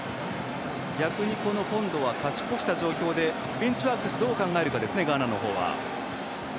逆に今度は勝ち越した状況でベンチワークをどう考えるかですねガーナの方は。